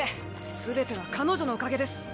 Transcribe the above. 全ては彼女のおかげです。